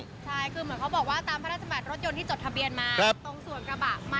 ใช่เหมือนเขาบอกว่าตามพระราชบัตรรถยนต์ที่จดทะเบียนมา